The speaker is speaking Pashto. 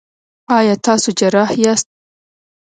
ایا تاسو جراح یاست؟